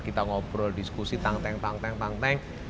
kita ngobrol diskusi tang teng tang teng tang teng